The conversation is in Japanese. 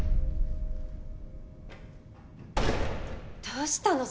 どうしたの？